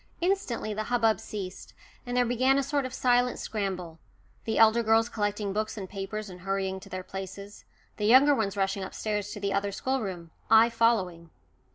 Instantly the hubbub ceased, and there began a sort of silent scramble the elder girls collecting books and papers and hurrying to their places; the younger ones rushing upstairs to the other schoolroom, I following.